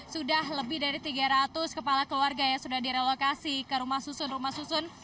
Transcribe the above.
sudah lebih dari tiga ratus kepala keluarga yang sudah direlokasi ke rumah susun rumah susun